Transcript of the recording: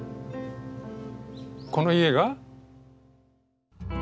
この家が？